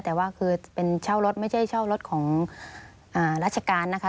แต่ว่าคือเป็นเช่ารถไม่ใช่เช่ารถของราชการนะคะ